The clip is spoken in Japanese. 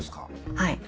はい。